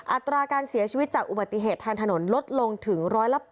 อัตราการเสียชีวิตจากอุบัติเหตุทางถนนลดลงถึง๑๘๐